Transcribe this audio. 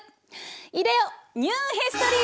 いでよニューヒストリー！